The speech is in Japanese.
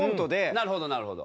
なるほどなるほど。